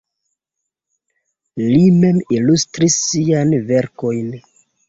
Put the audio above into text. Li mem ilustris siajn verkojn.